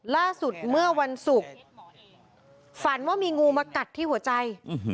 ล่าสุดเมื่อวันศุกร์ฝันว่ามีงูมากัดที่หัวใจ